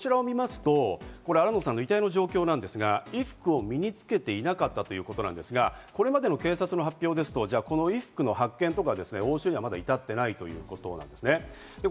新野さんの遺体の状況なんですが、衣服を身につけていなかったということなんですが、これまでの警察の発表ですと、衣服の発見とか押収には至っていないということなんです。